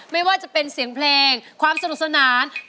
ไม่ว่าจะเป็นเสียงเพลงความสนุกสนาน